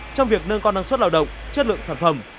trong việc nâng cao năng suất lao động chất lượng sản phẩm